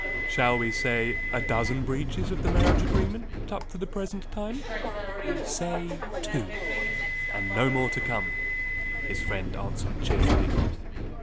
Shall we say a dozen breaches of the marriage agreement up to the present time?" "Say two and no more to come!" his friend answered cheerfully.